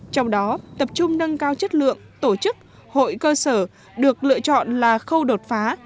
trong đó tập trung nâng cao chất lượng tổ chức hội cơ sở được lựa chọn là khâu đột phá